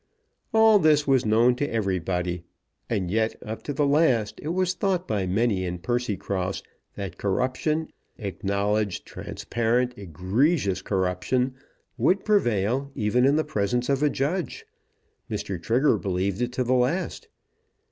All this was known to everybody; and yet, up to the last, it was thought by many in Percycross that corruption, acknowledged, transparent, egregious corruption, would prevail even in the presence of a judge. Mr. Trigger believed it to the last.